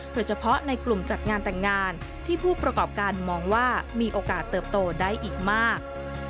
โดยเฉพาะในกลุ่มจัดงานแต่งงานที่ผู้ประกอบการมองว่ามีโอกาสเติบโตได้อีกมาก